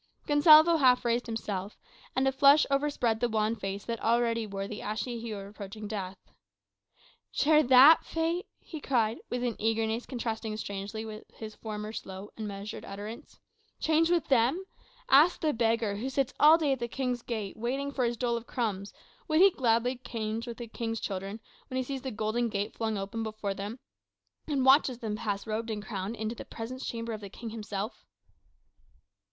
Gonsalvo half raised himself, and a flush overspread the wan face that already wore the ashy hue of approaching death. "Share that fate!" he cried, with an eagerness contrasting strangely with his former slow and measured utterance. "Change with them? Ask the beggar, who sits all day at the King's gate, waiting for his dole of crumbs, would he gladly change with the King's children, when he sees the golden gate flung open before them, and watches them pass in robed and crowned, to the presence chamber of the King himself."